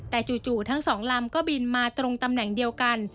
แต่จู่ทั้งสองลำก็บินมาตรงตำแหน่งเดียวกัน